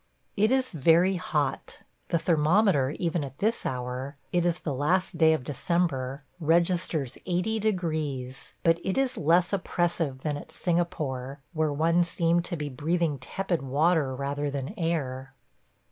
It is very hot. The thermometer even at this hour (it is the last day of December) registers 80°; but it is less oppressive than at Singapore, where one seemed to be breathing tepid water rather than air.